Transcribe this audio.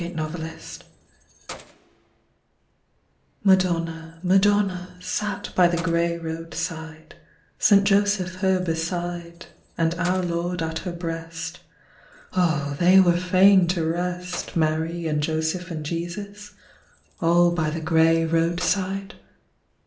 95 CRADLE SONG Madonna, Madonna, Sat by the grey road side, Saint Joseph her beside, And Our Lord at her breast; Oh they were fain to rest, Mary and Joseph and Jesus, All by the grey road side.